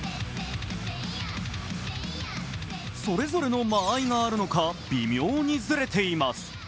それぞれの間合いがあるのか微妙にずれています。